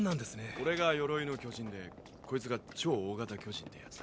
俺が鎧の巨人でこいつが超大型巨人ってやつだ。